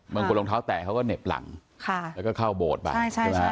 รองเท้าแตะเขาก็เหน็บหลังแล้วก็เข้าโบสถ์ไปใช่ไหม